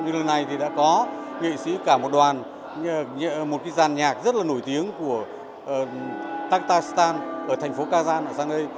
như lần này thì đã có nghệ sĩ cả một đoàn một cái giàn nhạc rất là nổi tiếng của taktastan ở thành phố kazan ở sang đây